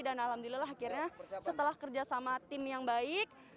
dan alhamdulillah akhirnya setelah kerjasama tim yang baik